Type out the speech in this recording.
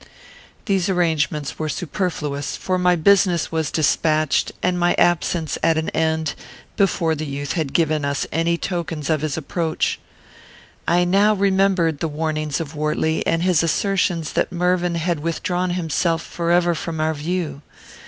These arrangements were superfluous, for my business was despatched, and my absence at an end, before the youth had given us any tokens of his approach. I now remembered the warnings of Wortley, and his assertions that Mervyn had withdrawn himself forever from our view.